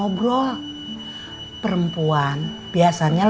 bobson juga pake ternyata